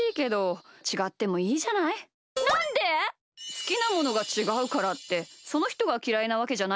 すきなものがちがうからってそのひとがきらいなわけじゃないし。